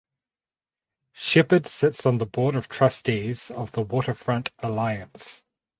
Shepard sits on the Board of Trustees of the Waterfront Alliance.